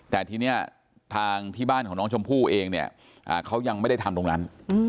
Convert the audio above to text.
แต่ทีนี้ทางที่บ้านของน้องชมพู่เองเนี่ยเขายังไม่ได้ทำตรงนั้น